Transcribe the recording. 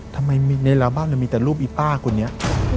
ทำไมในระบบมันมีแต่รูปอี๊ป้ากูเนี่ย